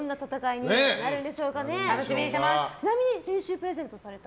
ちなみに先週プレゼントされた。